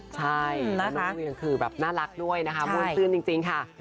ใช่น้องเวียงคือน่ารักด้วยนะครับมนตรีจริงค่ะ